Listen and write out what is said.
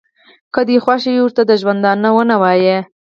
که دې خوښه ي ورته د ژوندانه ونه وایه.